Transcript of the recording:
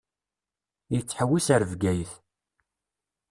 Yettḥewwis ar Bgayet.